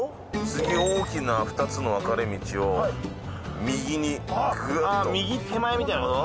次大きな２つの分かれ道を右にグッとああ右手前みたいなこと？